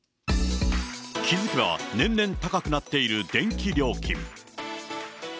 気付けば年々高くなっている電気料金。